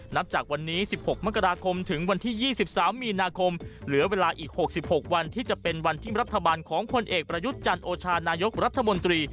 ติดตามจากรายงานครับ